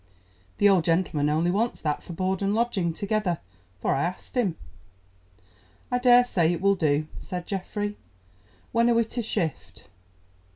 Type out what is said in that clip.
The old gentleman only wants that for board and lodging together, for I asked him." "I daresay it will do," said Geoffrey. "When are we to shift?"